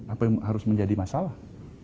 apa yang harus menjadi masalah